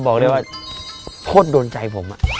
บอกได้ว่าโทษโดนใจผม